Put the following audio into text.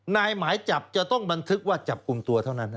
หมายจับจะต้องบันทึกว่าจับกลุ่มตัวเท่านั้น